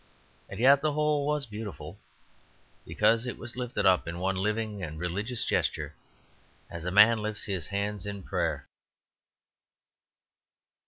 And yet the whole was beautiful, because it was lifted up in one living and religious gesture as a man lifts his hands in prayer.